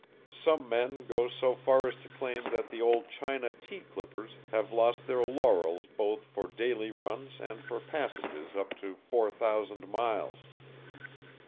Some men go so far as to claim that the old China tea clippers have lost their laurels both for daily runs and for passages up to four thousand miles.